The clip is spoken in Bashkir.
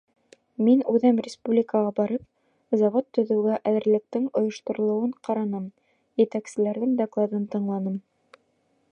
— Мин үҙем республикаға барып, завод төҙөүгә әҙерлектең ойошторолоуын ҡараным, етәкселәрҙең докладын тыңланым.